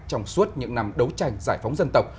trong suốt những năm đấu tranh giải phóng dân tộc